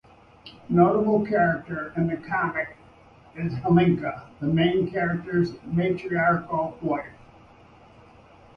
A notable character in the comic is Helka, the main character's matriarchal wife.